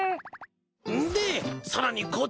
でさらにこっちの穴。